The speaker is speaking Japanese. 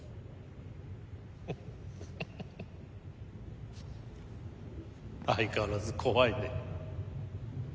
フフフ相変わらず怖いね